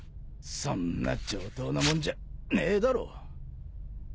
そんな上等なもんじゃねえだろ。